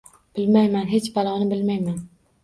Bilmayman, hech baloni bilmayman…